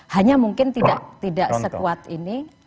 hanya mungkin tidak sekuat ini